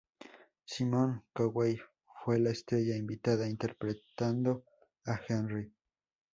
Simon Cowell fue la estrella invitada, interpretando a Henry.